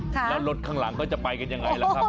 แล้วรถข้างหลังเขาจะไปกันยังไงล่ะครับ